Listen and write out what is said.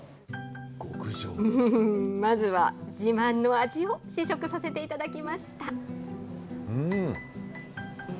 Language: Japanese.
まずは、自慢の味を試食させていただきました。